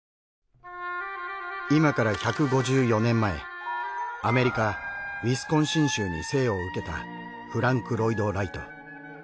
今から１５４年前アメリカウィスコンシン州に生を受けたフランク・ロイド・ライト。